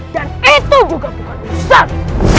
dan itu juga bukan urusan